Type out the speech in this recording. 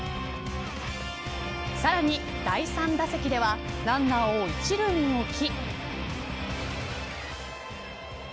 さらに第３打席ではランナーを一塁に置き。